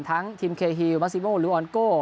ทั้งทีมเคฮิลมาซิโม่ลูออนโก้